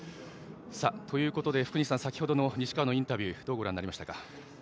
ということで、福西さん先ほどの西川のインタビューどうご覧になりましたか？